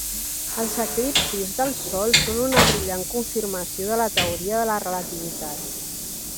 Els eclipsis del sol són una brillant confirmació de la teoria de la relativitat.